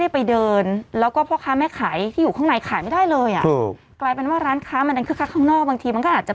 เพราะว่าจริงมันเป็นตลาดนะ